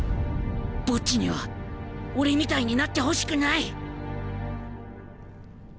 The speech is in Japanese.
ボッジには俺みたいになってほしくない